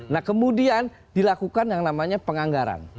nah kemudian dilakukan yang namanya penganggaran